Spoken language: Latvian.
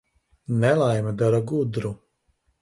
Nelaime dara gudru.